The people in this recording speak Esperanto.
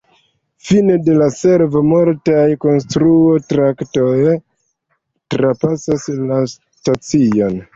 Fine de la servo, multaj konstru-traktoroj trapasas la stacion.